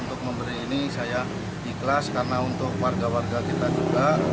untuk memberi ini saya ikhlas karena untuk warga warga kita juga